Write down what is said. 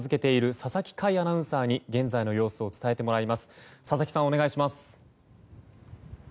佐々木さん、お願いします。